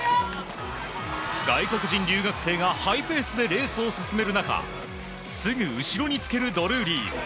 外国人留学生がハイペースでレースを進める中すぐ後ろにつけるドルーリー。